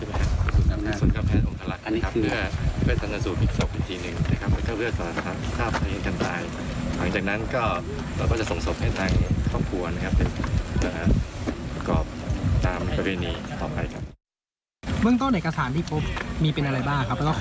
เบื้องต้นเอกสารที่พบมีเป็นอะไรบ้างครับ